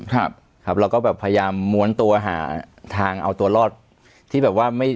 ครับครับแล้วก็แบบพยายามม้วนตัวหาทางเอาตัวรอดที่แบบว่าไม่